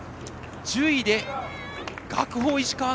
１０位で学法石川。